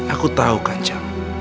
aku tahu kanca